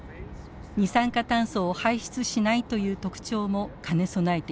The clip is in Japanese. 二酸化炭素を排出しないという特徴も兼ね備えています。